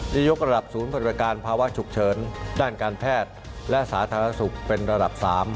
ยกระดับศูนย์บริการภาวะฉุกเฉินด้านการแพทย์และสาธารณสุขเป็นระดับ๓